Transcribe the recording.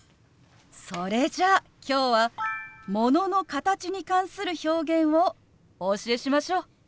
それじゃあ今日はものの形に関する表現をお教えしましょう！